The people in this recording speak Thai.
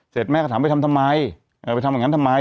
แม่ก็ถามไปทำทำไมไปทำอย่างนั้นทำไม